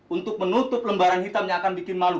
untuk menutup lembaran hitam yang akan bikin malu